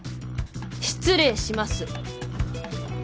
失礼します。